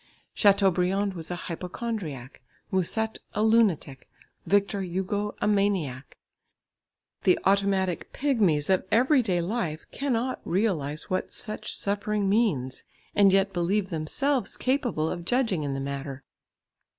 Chateaubriand was a hypochondriac, Musset a lunatic, Victor Hugo a maniac. The automatic pygmies of everyday life cannot realise what such suffering means, and yet believe themselves capable of judging in the matter.